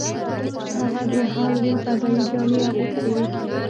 هغه د هالووین فضايي جامې اغوستې وې